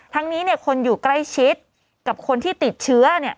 ทั้งนี้คนอยู่ใกล้ชิดกับคนที่ติดเชื้อ